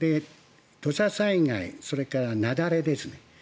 土砂災害、それから雪崩ですね。